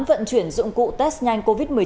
vận chuyển dụng cụ test nhanh covid một mươi chín